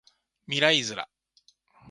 未来ズラ